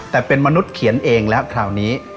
แต่เป็นมนุษย์เขียนเองแล้วคราวนี้